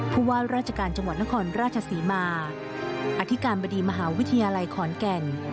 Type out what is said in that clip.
ผู้ว่าราชการจังหวัดนครราชศรีมาอธิการบดีมหาวิทยาลัยขอนแก่น